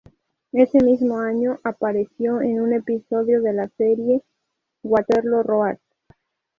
Ese mismo año apareció en un episodio de la serie Waterloo Road.